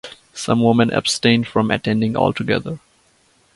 Some women abstained from attending altogether.